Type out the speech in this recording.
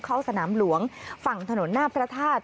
เข้าสนามหลวงฝั่งถนนหน้าพระธาตุ